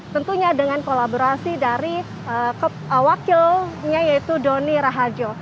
tentunya dengan kolaborasi dari wakilnya yaitu doni rahajo